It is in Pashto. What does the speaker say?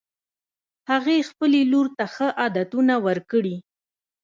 هغې خپلې لور ته ښه عادتونه ورکړي